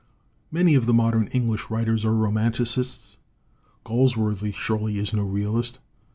"Many of the modern English writers are romanticists. Galsworthy surely is no realist.